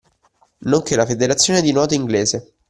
Nonchè la federazione di nuoto inglese.